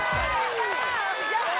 ・やった！